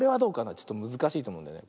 ちょっとむずかしいとおもうんだよね。